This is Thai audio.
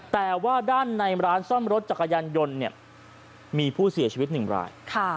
แต่ว่าด้านในร้านซ่อมรถจักรยานยนต์เนี่ยมีผู้เสียชีวิต๑ราย